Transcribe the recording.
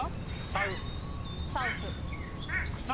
サウス。